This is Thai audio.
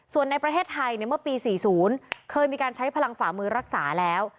ส่วนในประเทศไทยเมื่อปี๔๐เคยมีการใช้พลังฝ่ามือรักษาแล้ว